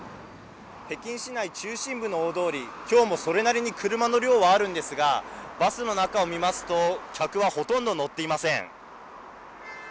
北京市内中心部の大通り、きょうもそれなりに車の量はあるんですが、バスの中を見ますと、客はほとんど乗っていません。